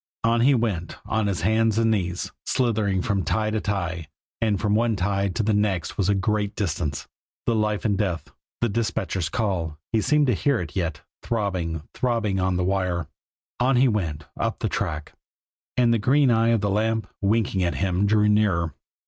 On he went, on his hands and knees, slithering from tie to tie and from one tie to the next was a great distance. The life and death, the dispatcher's call he seemed to hear it yet throbbing, throbbing on the wire. On he went, up the track; and the green eye of the lamp, winking at him, drew nearer.